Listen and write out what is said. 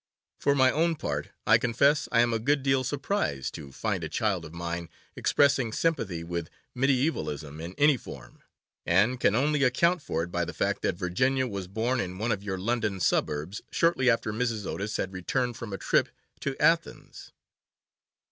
For my own part, I confess I am a good deal surprised to find a child of mine expressing sympathy with mediævalism in any form, and can only account for it by the fact that Virginia was born in one of your London suburbs shortly after Mrs. Otis had returned from a trip to Athens.